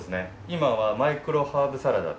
今はマイクロハーブサラダ。